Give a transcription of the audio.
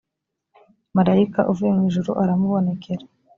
marayika uvuye mu ijuru aramubonekera